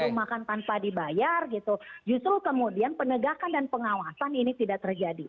kalau makan tanpa dibayar gitu justru kemudian penegakan dan pengawasan ini tidak terjadi